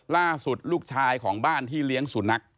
ล่าสุดลูกชายของบ้านที่เลี้ยงสุนัข